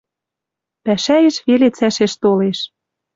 Пӓшӓэш веле цӓшеш толеш.